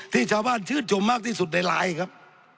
ที่ชาวบ้านชื่นชมมากที่สุดในไลน์ครับ